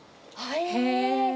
へえ。